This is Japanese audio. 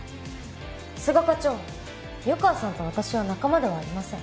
須賀課長湯川さんと私は仲間ではありません。